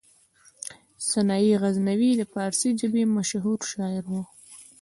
سنايي غزنوي د فارسي ژبې مشهور شاعر و.